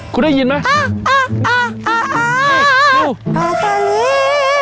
คุณได้ยินไหมนี่ดูปลาสลิด